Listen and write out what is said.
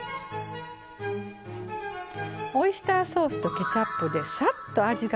オイスターソースとケチャップでさっと味が決まる炒め物です。